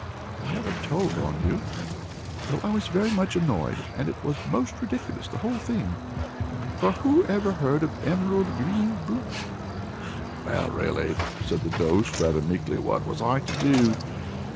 I never told on you, though I was very much annoyed, and it was most ridiculous, the whole thing; for who ever heard of emerald green blood?" "Well, really," said the Ghost, rather meekly, "what was I to do?